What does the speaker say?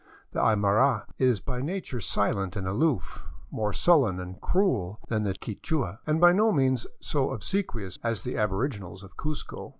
The Aymara is by nature silent and aloof, more sullen and cruel than the Quichua, and by no means so obsequious as the aboriginals of Cuzco.